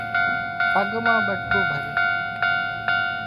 پڳ مان ٻٽڪُون ڀريون